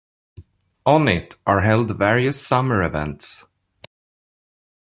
On it are held various summer events.